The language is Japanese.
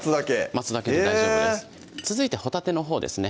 待つだけで大丈夫です続いてほたてのほうですね